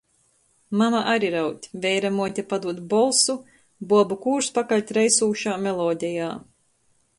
Mama ari raud, veiramuote padūd bolsu, buobu kūrs pakaļ treisūšā melodejā.